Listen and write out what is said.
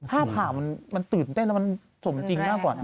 ภาพข่าวมันตื่นเต้นแล้วมันสมจริงมากกว่า